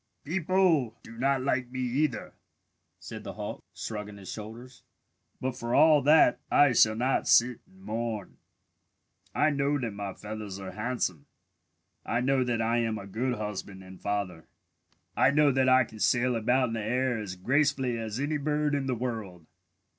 "People do not like me either," said the hawk, shrugging his shoulders. "But for all that I shall not sit and mourn. "I know that my feathers are handsome. I know that I am a good husband and father. I know that I can sail about in the air as gracefully as any bird in the world.